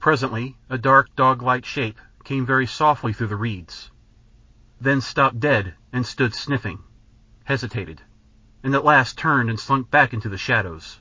Presently a dark dog like shape came very softly through the reeds. Then stopped dead and stood sniffing, hesitated, and at last turned and slunk back into the shadows.